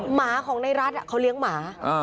หมาของในรัฐเขาเลี้ยงหมา